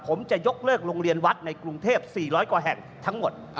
ผมจะยกเลิกโรงเรียนวัดในกรุงเทพ๔๐๐กว่าแห่งทั้งหมด